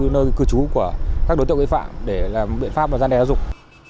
nơi cư trú của các đối tượng vi phạm để làm biện pháp và gian đeo dụng